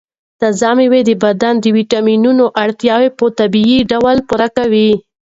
تازه مېوې د بدن د ویټامینونو اړتیا په طبیعي ډول پوره کوي.